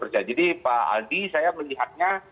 jadi pak aldi saya melihatnya